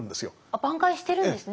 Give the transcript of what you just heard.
挽回してるんですね。